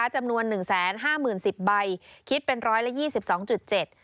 จำนวน๑๕๐๐๐๐ใบคิดเป็น๑๒๒๗ล้านบาท